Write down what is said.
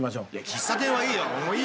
喫茶店はいいよ。